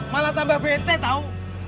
malah tambah bete tau